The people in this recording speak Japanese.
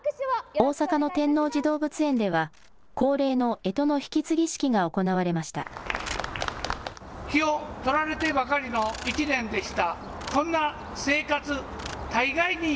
大阪の天王寺動物園では恒例のえとの引き継ぎ式が行われました。